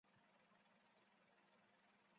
埃斯帕尔龙。